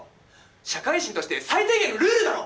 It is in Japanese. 社会人として最低限のルールだろ！